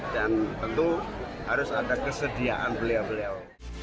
tentu harus ada kesediaan beliau beliau